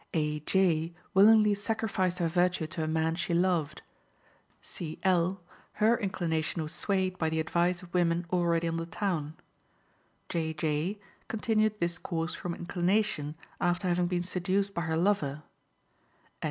A. J. willingly sacrificed her virtue to a man she loved. C. L.: her inclination was swayed by the advice of women already on the town. J. J. continued this course from inclination after having been seduced by her lover.